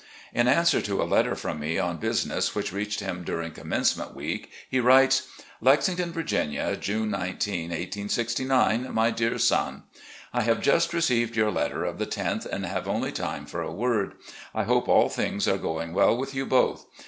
In answer to a letter from me on business, which reached him during commencement week, he writes: "Lexington, Virginia, Jtme 19, 1869. "My Dear Son: I have just received your letter of the loth, and have only time for a word. ... I hope aU things are going well with you both.